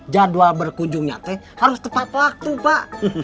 jadwal berkunjungnya teh harus tepat waktu pak